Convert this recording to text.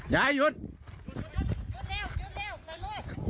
อย่ายืน